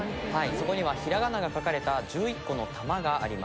そこにはひらがなが書かれた１１個の球があります。